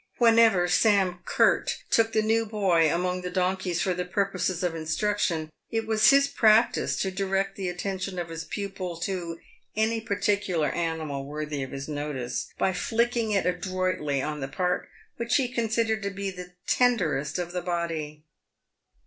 "Whenever Sam Curt took the new boy among the donkeys for the purposes of instruction, it was his practice to direct the attention of his pupil to any particular animal worthy of his notice, by flicking it adroitly on the part which he considered to be the tenderest^of the body.